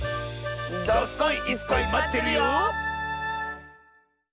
どすこいいすこいまってるよ！